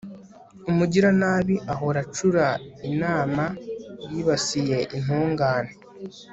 umugiranabi ahora acura inama yibasiye intungane